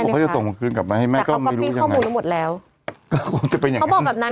แต่เขาก็มีข้อมูลให้หมดแล้ว